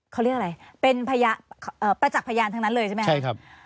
เขาเรียกอะไรเป็นประจักษ์พยานทั้งนั้นเลยใช่ไหมครับใช่ครับ